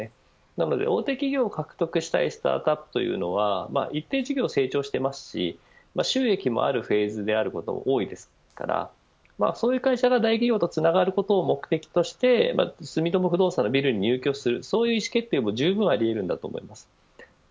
なので大手企業を獲得したいスタートアップというのは一定事業、成長していますし収益もあるフェーズであることが多いですからそういった会社が大企業とつながることを目的として住友不動産のビルに入居する、そういう意思決定もじゅうぶんあり得ると思います。